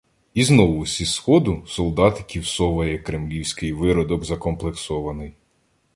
І знову зі сходу солдатиків соває кремлівський виродок закомплексований.